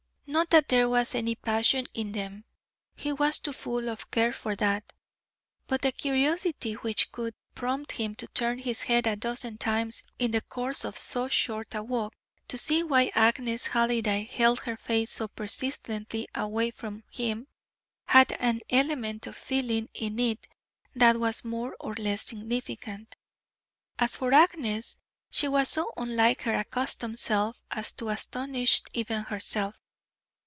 Not that there was any passion in them he was too full of care for that; but the curiosity which could prompt him to turn his head a dozen times in the course of so short a walk, to see why Agnes Halliday held her face so persistently away from him, had an element of feeling in it that was more or less significant. As for Agnes, she was so unlike her accustomed self as to astonish even herself.